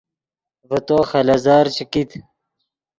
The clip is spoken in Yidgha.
ڤے تو خلیزر چے کیت